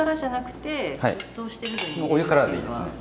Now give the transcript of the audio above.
お湯からでいいですね。